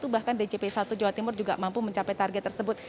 dua ribu dua puluh satu bahkan djp i jawa timur juga mampu mencapai target tersebut